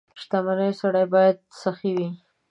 • شتمن سړی باید سخي وي.